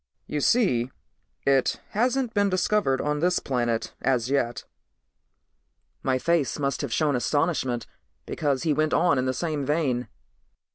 "You see, it hasn't been discovered on this planet as yet." My face must have shown astonishment because he went on in the same vein.